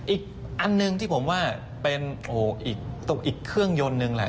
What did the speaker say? อีกอันหนึ่งที่ผมว่าเป็นอีกเครื่องยนต์นึงแหละ